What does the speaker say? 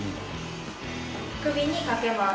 首にかけます。